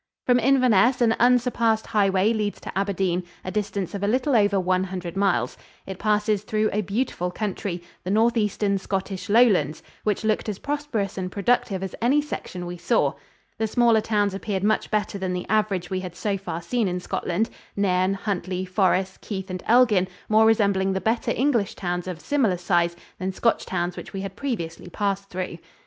From Inverness an unsurpassed highway leads to Aberdeen, a distance of a little over one hundred miles. It passes through a beautiful country, the northeastern Scottish Lowlands, which looked as prosperous and productive as any section we saw. The smaller towns appeared much better than the average we had so far seen in Scotland; Nairn, Huntly, Forres, Keith and Elgin more resembling the better English towns of similar size than Scotch towns which we had previously passed through.